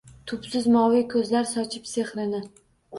Tubsiz moviy ko’zlar sochib sehrini